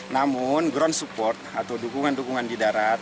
namun ground support atau dukungan dukungan di darat